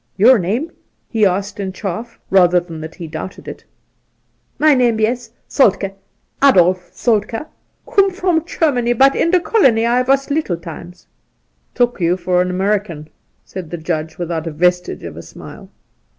' Your name ?' he asked in chaff, rather than that he doubted it. ' My name, yes. Soltkd — Adolf Soltkd — coom from Germany, but in der colonic I was leetle times.' 44 Soltke 'Took you for Amurrikan,' said the Judge, without a vestige of a smile.